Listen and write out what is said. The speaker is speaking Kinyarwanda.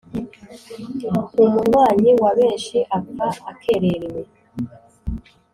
Umunywanyi wa benshi apfa akererewe.